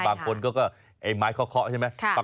บางคนก็ไอ้ไม้เคาะใช่ไหม